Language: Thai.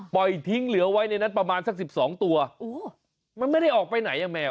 ปล่อยทิ้งเหลือไว้ในนั้นประมาณสักสิบสองตัวมันไม่ได้ออกไปไหนอ่ะแมว